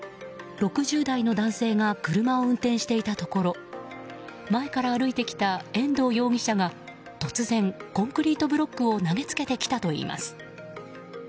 ６０代の男性が車を運転していたところ前から歩いてきた遠藤容疑者が突然、コンクリートブロックを投げつけてきたといいます。